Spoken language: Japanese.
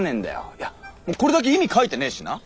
いやもうこれだけ意味書いてねーしな。